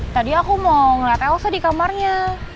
tadi aku mau ngelat elso di kamarnya